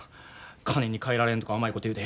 金に換えられんとか甘いこと言うて。